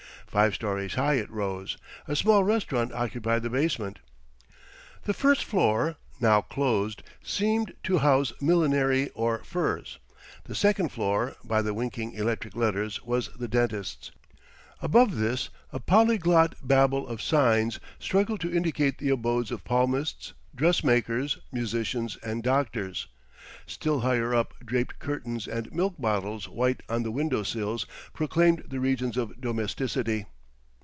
Five stories high it rose. A small restaurant occupied the basement. The first floor, now closed, seemed to house millinery or furs. The second floor, by the winking electric letters, was the dentist's. Above this a polyglot babel of signs struggled to indicate the abodes of palmists, dressmakers, musicians and doctors. Still higher up draped curtains and milk bottles white on the window sills proclaimed the regions of domesticity.